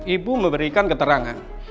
ibu memberikan keterangan